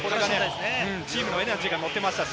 チームのエナジーがのっていました。